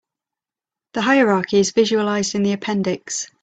The hierarchy is visualized in the appendix.